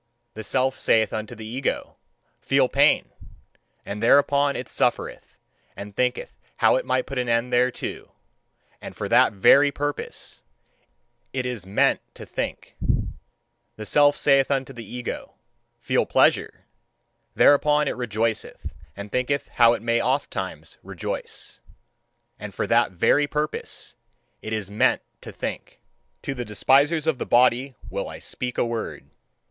The Self saith unto the ego: "Feel pain!" And thereupon it suffereth, and thinketh how it may put an end thereto and for that very purpose it IS MEANT to think. The Self saith unto the ego: "Feel pleasure!" Thereupon it rejoiceth, and thinketh how it may ofttimes rejoice and for that very purpose it IS MEANT to think. To the despisers of the body will I speak a word.